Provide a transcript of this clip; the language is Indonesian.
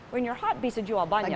ketika mereka panas bisa jual banyak